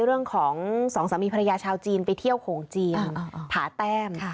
เรื่องของสองสามีภรรยาชาวจีนไปเที่ยวโขงจีนผาแต้ม